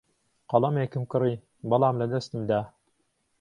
قەڵەمێکم کڕی، بەڵام لەدەستم دا.